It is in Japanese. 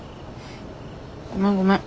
ごめんごめん。